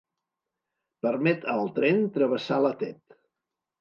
Permet al tren travessar la Tet.